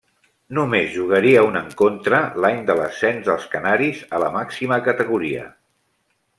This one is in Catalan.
Només jugaria un encontre l'any de l'ascens dels canaris a la màxima categoria.